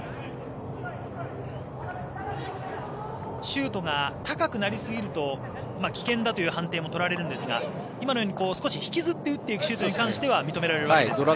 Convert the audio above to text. シュートが高くなりすぎると危険だという判定も取られるんですが今のように引きずって打っていくシュートについては認められるわけですね。